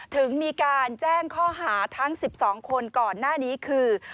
ถึงมีการแจ้งข้อหาทั้ง๑๒คนก่อนหน้านี้คือ